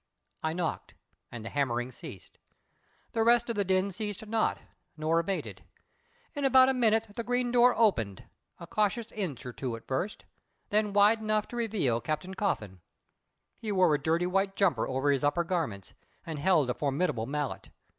I knocked, and the hammering ceased. The rest of the din ceased not, nor abated. In about a minute the green door opened a cautious inch or two at first, then wide enough to reveal Captain Coffin. He wore a dirty white jumper over his upper garments, and held a formidable mallet.